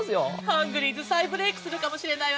ハングリーズ再ブレークするかもしれないわね。